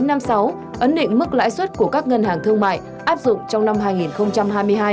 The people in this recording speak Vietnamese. ấn định mức lãi suất của các ngân hàng thương mại áp dụng trong năm hai nghìn hai mươi hai